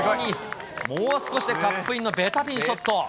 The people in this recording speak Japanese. もう少しでカップインのべたピンショット。